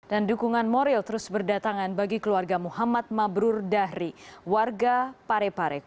dan dukungan moral terus berdatangan bagi keluarga muhammad mabrur dahri warga pareparek